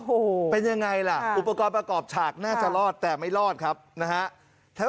โอ้โหเป็นยังไงล่ะอุปกรณ์ประกอบฉากน่าจะรอดแต่ไม่รอดครับนะฮะ